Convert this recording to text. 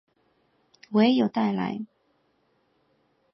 我也有带来